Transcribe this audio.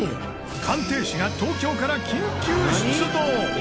鑑定士が東京から緊急出動！